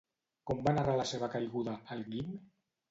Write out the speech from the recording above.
Com va narrar la seva caiguda, el Guim?